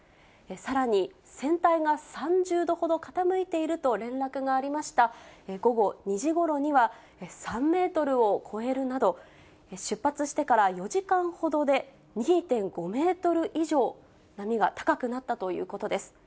さらに船体が３０度ほど傾いていると連絡がありました、午後２時ごろには、３メートルを超えるなど、出発してから４時間ほどで、２．５メートル以上、波が高くなったということです。